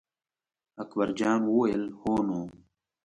اکبر جان وویل: هو نو.